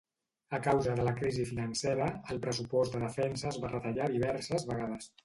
A causa de la crisi financera, el pressupost de defensa es va retallar diverses vegades.